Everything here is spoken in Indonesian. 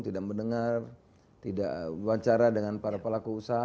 tidak mendengar tidak wawancara dengan para pelaku usaha